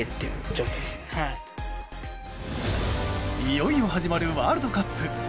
いよいよ始まるワールドカップ。